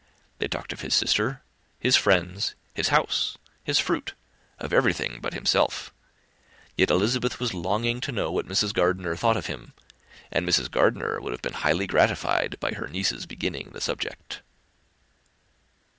They talked of his sister, his friends, his house, his fruit, of everything but himself; yet Elizabeth was longing to know what Mrs. Gardiner thought of him, and Mrs. Gardiner would have been highly gratified by her niece's beginning the subject.